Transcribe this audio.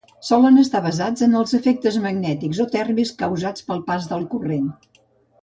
Solen estar basats en els efectes magnètics o tèrmics causats pel pas del corrent.